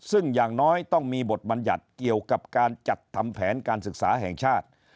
ซึ่งอย่างน้อยต้องมีบทบัญญัติเกี่ยวกับการจัดทำแผนการศึกษาแห่งชาติ